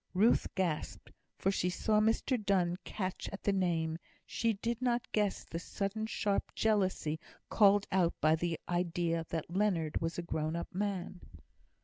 Ruth gasped for she saw Mr Donne catch at the name; she did not guess the sudden sharp jealousy called out by the idea that Leonard was a grown up man.